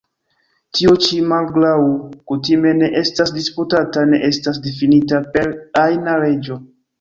Tio ĉi, malgraŭ kutime ne estas disputata, ne estas difinita per ajna leĝo.